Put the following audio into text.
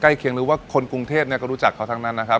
เคียงหรือว่าคนกรุงเทพก็รู้จักเขาทั้งนั้นนะครับ